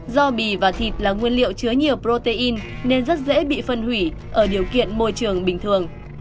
do bì và thịt là nguyên liệu chứa nhiều protein nên rất dễ bị phân hủy ở điều kiện môi trường bình thường